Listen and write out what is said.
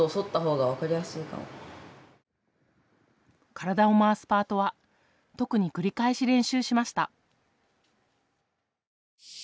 体を回すパートは特に繰り返し練習しました。